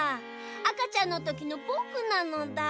あかちゃんのときのぼくなのだ。